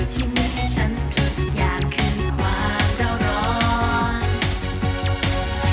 ที่มืดให้ฉันทุกอย่างขึ้นความเดาร้อน